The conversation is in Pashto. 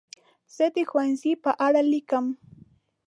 زه د ښوونځي په اړه لیکم.